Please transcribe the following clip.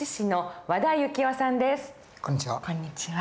こんにちは。